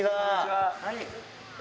はい。